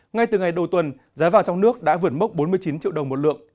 ngay từ ngày đầu tuần giá vàng trong nước đã vượt mốc bốn mươi chín triệu đồng một lượng